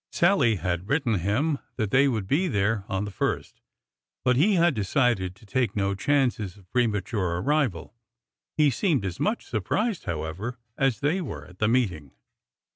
Sallie had written him that they would be there on the first, but he had decided to take no chances of premature arrival. He seemed as much surprised, however, as they were at the meeting.